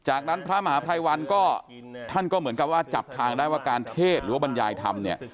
จากนั้นพระมหาภัยวันก็ท่านก็เหมือนกับว่าจับทางได้ว่าการเทศหรือว่าบรรยายธรรมเนี่ย